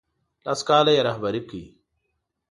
لس کاله یې رهبري کړ.